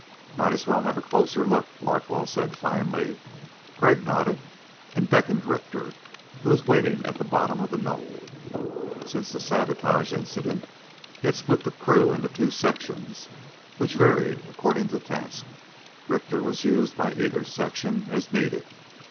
"Might as well have a closer look," Larkwell said finally. Crag nodded and beckoned Richter, who was waiting at the bottom of the knoll. Since the sabotage incident he had split the crew into two sections which varied according to task. Richter was used by either section as needed.